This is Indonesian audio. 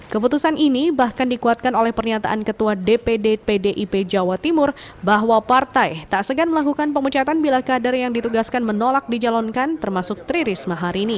keputusan ini bahkan dikuatkan oleh pernyataan ketua dpd pdip jawa timur bahwa partai tak segan melakukan pemecatan bila kader yang ditugaskan menolak dijalankan termasuk tri risma hari ini